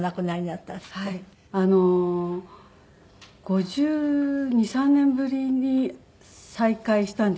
５２５３年ぶりに再会したんですよね。